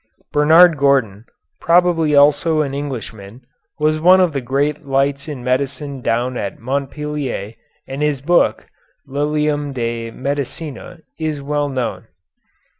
Bernard Gordon, probably also an Englishman, was one of the great lights in medicine down at Montpellier, and his book, "Lilium De Medicina," is well known.